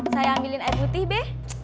saya ambilin air putih deh